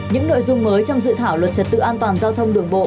những nội dung mới trong dự thảo luật trật tự an toàn giao thông đường bộ